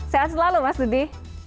sehat selalu mas dudi